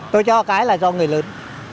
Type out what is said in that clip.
tôi cho cái là do người lớn